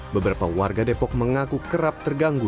beberapa warga depok mengaku kerap terganggu